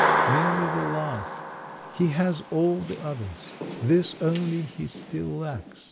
Merely the last ! He has all the others. This only he still lacks.